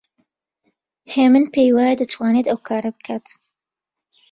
هێمن پێی وایە دەتوانێت ئەو کارە بکات.